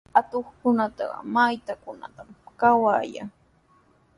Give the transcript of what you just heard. Atuqkunaqa matraykunatrawmi kawayan.